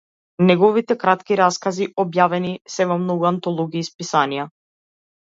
Неговите кратки раскази објавени се во многу антологии и списанија.